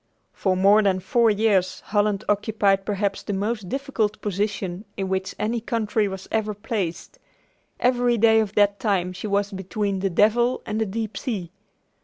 For more than four years Holland occupied perhaps the most difficult position in which any country was ever placed. Every day of that time she was between the "devil and the deep sea."